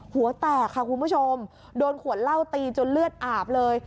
หัวแตกค่ะคุณผู้ชมโดนขวดเหล้าตีจนเลือดอาบเลย